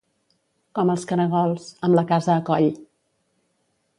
Com els caragols, amb la casa a coll.